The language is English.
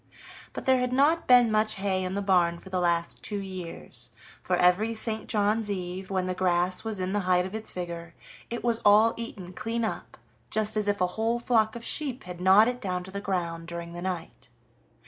But there had not been much hay in the barn for the last two years, for every St. John's eve, when the grass was in the height of its vigor, it was all eaten clean up, just as if a whole flock of sheep had gnawed it down to the ground during the night.